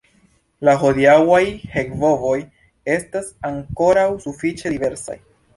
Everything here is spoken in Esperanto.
La hodiaŭaj hek-bovoj estas ankoraŭ sufiĉe diversaj.